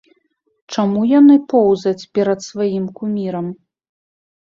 Чаму яны поўзаць перад сваім кумірам?